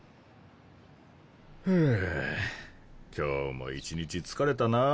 ふう今日も一日疲れたなあ。